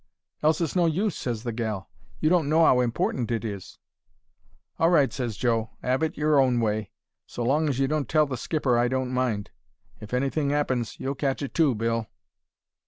"'Else it's no use,' ses the gal. 'You don't know 'ow important it is.' "'All right,' ses Joe. ''Ave it your own way. So long as you don't tell the skipper I don't mind. If anything 'appens you'll catch it too, Bill.'